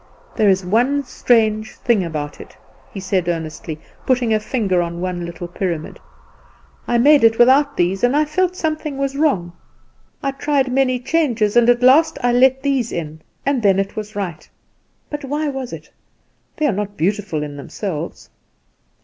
"There is one strange thing about it," he said earnestly, putting a finger on one little pyramid. "I made it without these, and I felt something was wrong; I tried many changes, and at last I let these in, and then it was right. But why was it? They are not beautiful in themselves."